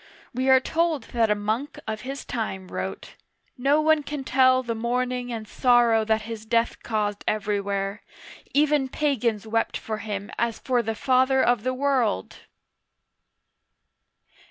We are told that a monk of his time wrote :" No one can tell the mourning and sorrow that his death caused everywhere ; even pagans wept for him as for the father of the world